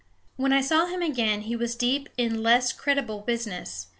When I saw him again he was deep in less creditable business.